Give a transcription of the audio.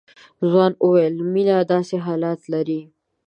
ځوان وويل مينه داسې حالات لري.